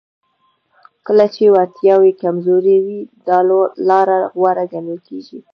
کله چې وړتیاوې کمزورې وي دا لاره غوره ګڼل کیږي